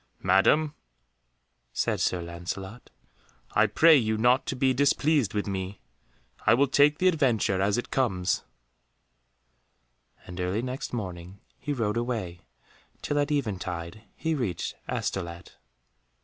"Madam," said Sir Lancelot, "I pray you not to be displeased with me. I will take the adventure as it comes," and early next morning he rode away till at eventide he reached Astolat.